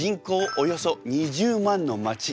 およそ２０万の街。